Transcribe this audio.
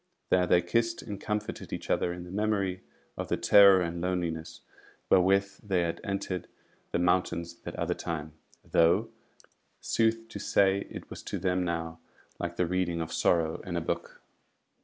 There they kissed and comforted each other in memory of the terror and loneliness wherewith they had entered the Mountains that other time; though, sooth to say, it was to them now like the reading of sorrow in a book.